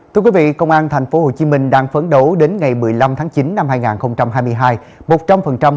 thưa quý vị công an tp hcm đang phấn đấu đến ngày một mươi năm tháng chín năm hai nghìn hai mươi hai